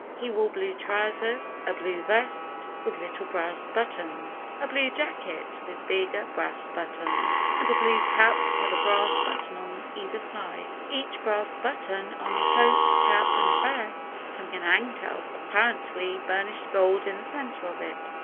He wore blue trousers, a blue vest with little brass buttons, a blue jacket with bigger brass buttons, and a blue cap with a brass button on either side each brass button, on coat, cap, and vest, having an anchor of, (apparently), burnished gold in the centre of it.